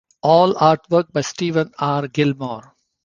All artwork by Steven R. Gilmore.